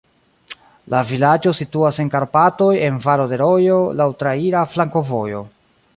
La vilaĝo situas en Karpatoj en valo de rojo, laŭ traira flankovojo.